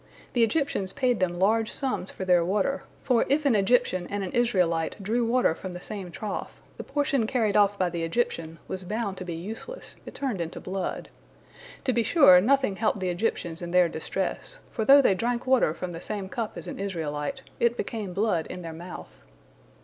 The Egyptians paid them large sums for their water, for if an Egyptian and an Israelite drew water from the same trough, the portion carried off by the Egyptian was bound to be useless, it turned into blood. To be sure, nothing helped the Egyptians in their distress, for though they drank water from the same cup as an Israelite, it became blood in their mouth.